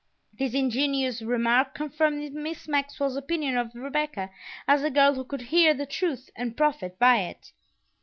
This ingenuous remark confirmed Miss Maxwell's opinion of Rebecca as a girl who could hear the truth and profit by it.